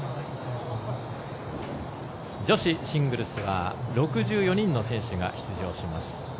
女子シングルスは６４人の選手が出場します。